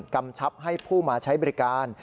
กำชับให้ผู้มาใช้บริการ